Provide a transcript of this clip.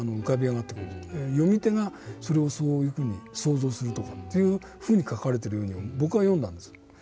読み手がそれをそういうふうに想像するというふうに書かれているように僕は読んだんです。